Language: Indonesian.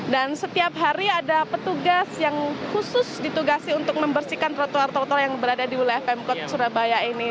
dan setiap hari ada petugas yang khusus ditugasi untuk membersihkan trotoar trotoar yang berada di wilayah pemkot surabaya ini